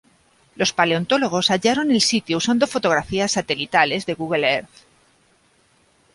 Los Paleontólogos hallaron el sitio usando fotografías satelitales de Google Earth.